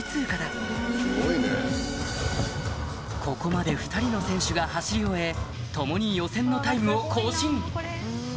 ここまで２人の選手が走り終え共に予選のタイムを更新！